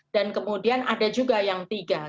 dan kemudian ada juga yang tiga